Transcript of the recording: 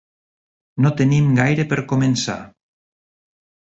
No tenim gaire per començar.